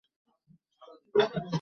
কী পারছো না?